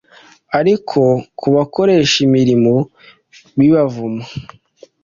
Ariko kubakoresha imirimo ibibavuma